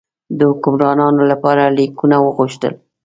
د حکمرانانو لپاره لیکونه وغوښتل.